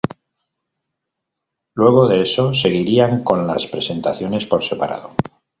Luego de eso seguirían con las presentaciones por separado.